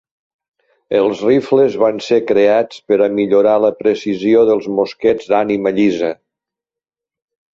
Els rifles van ser creats per a millorar la precisió dels mosquets d'ànima llisa.